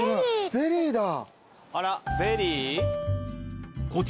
ゼリーだよ。